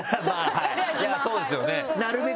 いやそうですよね。